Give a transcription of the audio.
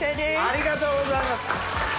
ありがとうございます！